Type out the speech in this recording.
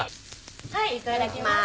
はいいただきます。